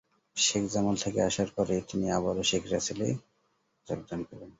শেখ জামাল থেকে আসার পরে তিনি আবারো শেখ রাসেল যোগদান করেন।